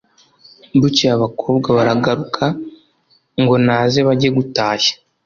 bukeye abakobwa baragaruka ngo naze bajye gutashya;